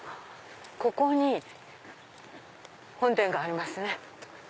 ここに本殿がありますね。